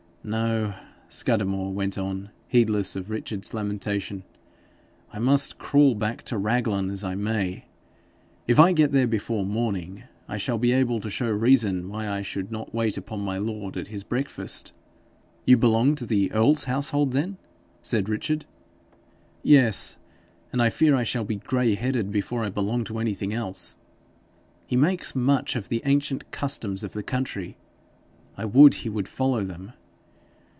'No,' Scudamore went on, heedless of Richard's lamentation. 'I must crawl back to Raglan as I may. If I get there before the morning, I shall be able to show reason why I should not wait upon my lord at his breakfast.' 'You belong to the earl's household, then?' said Richard. 'Yes; and I fear I shall be grey headed before I belong to anything else. He makes much of the ancient customs of the country: I would he would follow them.